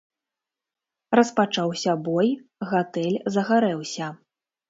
Распачаўся бой, гатэль загарэўся.